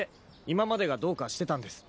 今までがどうかしてたんです。